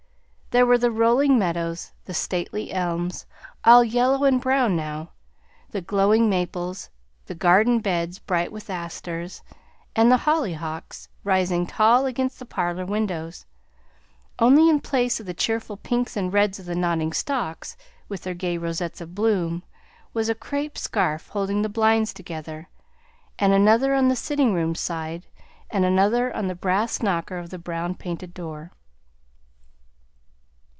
There were the rolling meadows, the stately elms, all yellow and brown now; the glowing maples, the garden beds bright with asters, and the hollyhocks, rising tall against the parlor windows; only in place of the cheerful pinks and reds of the nodding stalks, with their gay rosettes of bloom, was a crape scarf holding the blinds together, and another on the sitting room side, and another on the brass knocker of the brown painted door.